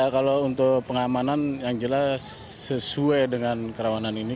kalau untuk pengamanan yang jelas sesuai dengan kerawanan ini